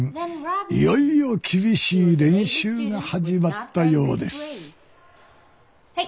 いよいよ厳しい練習が始まったようですはい。